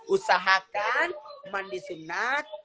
usahakan mandi sinar